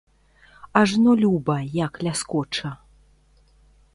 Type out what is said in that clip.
Ажно люба, як ляскоча.